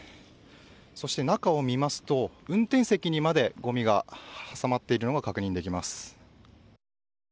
そして、中を見ますと運転席にまで、ごみが挟まっているのが確認できます。